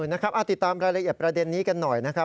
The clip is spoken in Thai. นะครับติดตามรายละเอียดประเด็นนี้กันหน่อยนะครับ